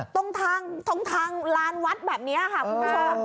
ตรงทางลานวัดแบบนี้ค่ะคุณผู้ชม